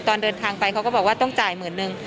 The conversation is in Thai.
ตอนเดินทางไปเขาก็บอกว่าต้องจ่ายหมื่นนึง